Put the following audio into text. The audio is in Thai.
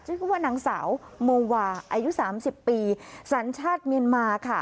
ชื่อว่านางสาวโมวาอายุ๓๐ปีสัญชาติเมียนมาค่ะ